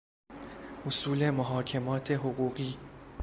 اصول محاکمات حقوقی